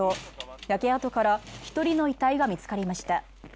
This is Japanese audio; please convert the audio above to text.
焼け跡から１人の遺体が見つかりました。